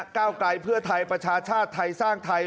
ก้าวไกลเพื่อไทยประชาชาติไทยสร้างไทย